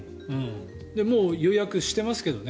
もう予約してますけどね。